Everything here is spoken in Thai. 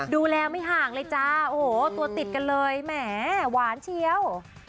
ดูแลไม่ห่างเลยจ้าโอ้โหตัวติดกันเลยแหมหวานเชียว